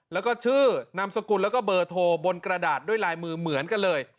แล้วก็ชื่อนามสกุลแล้วก็เบอร์โทรบนกระดาษด้วยลายมือเหมือนกันเลย